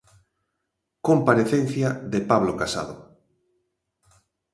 Comparecencia de Pablo Casado.